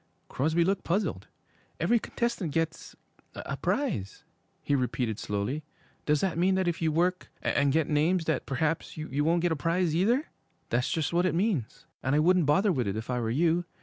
Crosby looked puzzled. 'Every contestant gets a prize,' he repeated slowly. 'Does that mean that if you work and get names that perhaps you won't get a prize either?' 'That's just what it means, and I wouldn't bother with it if I were you.